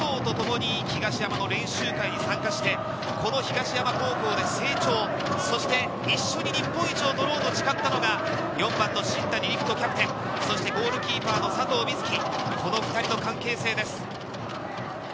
実はゴールキーパーの佐藤とともに東山の練習会に参加して、東山高校で成長、そして一緒に日本一を取ろうと誓ったのが、４番の新谷陸斗・キャプテン、そしてゴールキーパーの佐藤瑞起、この２人の関係性です。